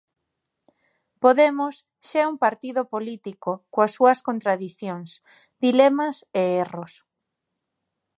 Podemos xa é un partido político coas súas contradicións, dilemas e erros.